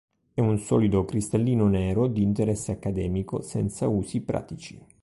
È un solido cristallino nero di interesse accademico, senza usi pratici.